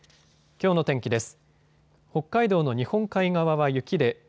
きょうの天気です。